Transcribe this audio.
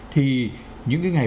thì những cái ngày